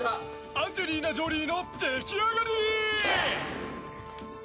アンジェリーナ・ジョリーの出来上がり！